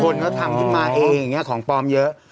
คนเขาทำขึ้นมาเองความปลอมเยอะ